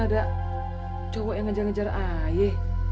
ada cowok yang ngejar ngejar ayah